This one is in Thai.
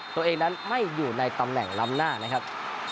ตัวเองนั้นไม่อยู่ในตำแหน่งล้ำหน้านะครับ